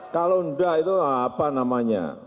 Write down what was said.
kalau enggak itu apa namanya